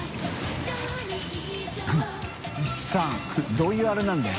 どういうあれなんだよ。